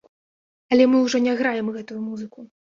Але мы ўжо не граем гэтую музыку.